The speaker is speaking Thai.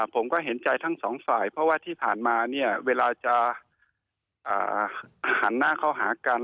เพราะว่าที่ผ่านมาเวลาจะหันหน้าเข้าหากัน